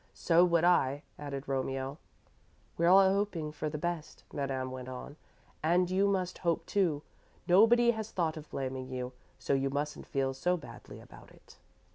"So would I," added Romeo. "We're all hoping for the best," Madame went on, "and you must hope, too. Nobody has thought of blaming you, so you mustn't feel so badly about it.